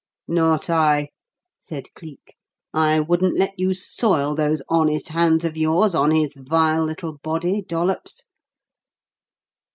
"Not I," said Cleek. "I wouldn't let you soil those honest hands of yours on his vile little body, Dollops.